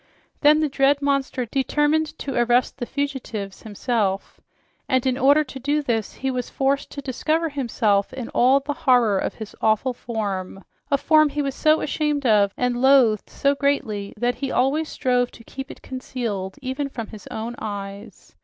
Then the dread monster determined to arrest the fugitives himself, and in order to do this he was forced to discover himself in all the horror of his awful form, a form he was so ashamed of and loathed so greatly that he always strove to keep it concealed, even from his own view.